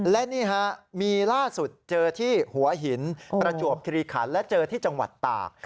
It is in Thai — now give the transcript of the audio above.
และนี่ฮะมีล่าสุดเจอที่หัวหินประจวบคิริขันและเจอที่จังหวัดตาก